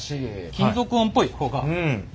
金属音っぽい方が。